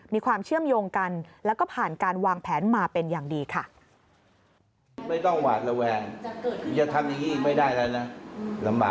มีความเชื่อมโยงกันแล้วก็ผ่านการวางแผนมาเป็นอย่างดีค่ะ